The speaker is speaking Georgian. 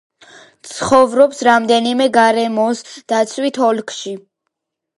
ცხოვრობს რამდენიმე გარემოსდაცვით ოლქში.